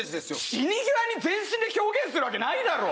死に際に全身で表現するわけないだろう！